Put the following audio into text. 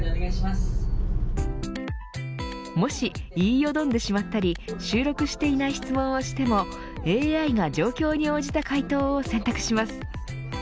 もし、言いよどんでしまったり収録していない質問をしてもＡＩが状況に応じた回答を選択します。